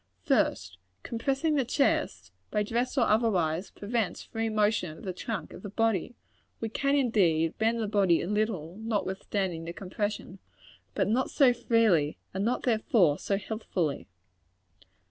First compressing the chest, by dress or otherwise, prevents free motion of the trunk of the body. We can, indeed, bend the body a little, notwithstanding the compression; but not so freely, and not therefore so healthfully.